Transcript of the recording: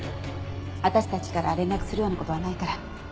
私たちから連絡するような事はないから。